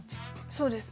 そうです。